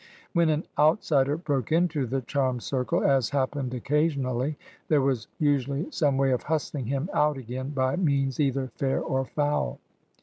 When an outsider broke into the charmed circle, as happened occasionally, thare was usually some way of hustling him out again by means either fair or foul.